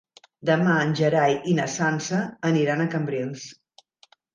Demà en Gerai i na Sança aniran a Cambrils.